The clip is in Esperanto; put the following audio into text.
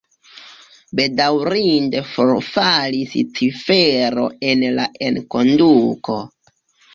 Bedaŭrinde forfalis cifero en la enkonduko.